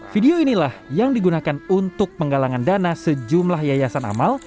video inilah yang digunakan untuk penggalangan dana sejumlah yayasan amal